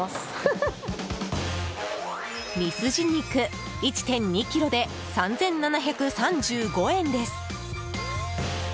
ミスジ肉、１．２ｋｇで３７３５円です。